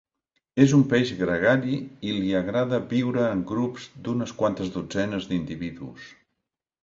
És un peix gregari i l'hi agrada viure en grups d'unes quantes dotzenes d'individus.